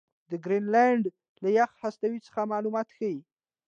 د ګرینلنډ له یخي هستو څخه معلومات ښيي.